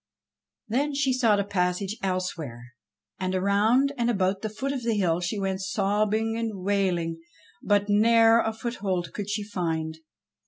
Then she sought a passage elsewhere, and round and about the foot of the hill she went sobbing and wailing, but ne'er a foothold could she find.